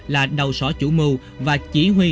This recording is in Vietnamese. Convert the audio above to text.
là đầu sở chủ mưu và chỉ huy